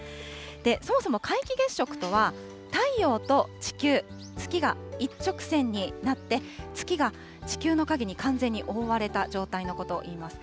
そもそも皆既月食とは、太陽と地球、月が一直線になって、月が地球の影に完全に覆われた状態のことをいいます。